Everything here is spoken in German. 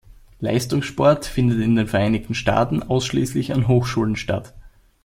Leistungssport findet in den Vereinigten Staaten ausschließlich an Hochschulen statt.